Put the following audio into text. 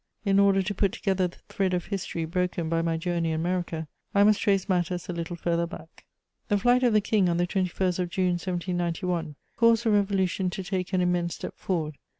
In order to put together the thread of history broken by my journey in America, I must trace matters a little further back. * The flight of the King, on the 21st of June 1791, caused the Revolution to take an immense step forward.